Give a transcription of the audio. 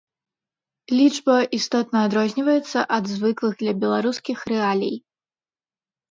Лічба істотна адрозніваецца ад звыклых для беларускіх рэалій.